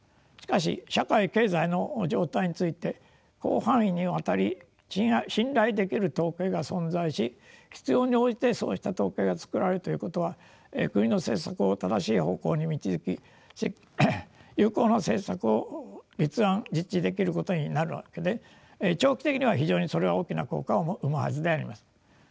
しかし社会経済の状態について広範囲にわたり信頼できる統計が存在し必要に応じてそうした統計が作られるということは国の政策を正しい方向に導き有効な政策を立案実施できることになるわけで長期的には非常にそれは大きな成果を生むはずであります。